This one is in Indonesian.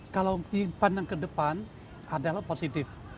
kalau dipandang ke depan adalah positif